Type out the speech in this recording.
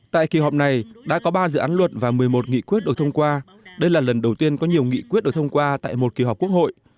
tại kỳ họp này đã có ba dự án luật và một mươi một nghị quyết được thông qua đây là lần đầu tiên có nhiều nghị quyết được thông qua tại một kỳ họp quốc hội